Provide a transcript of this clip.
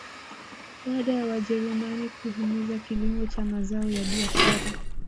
Baada ya wajerumani kuhimiza kilimo cha mazao ya biashara